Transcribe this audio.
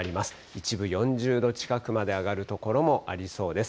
一部４０度近くまで上がる所もありそうです。